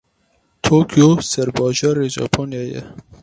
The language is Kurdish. Tokyo serbajarê Japonyayê ye.